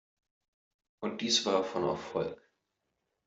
Und dies war von Erfolg.